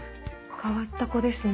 変わった子ですね。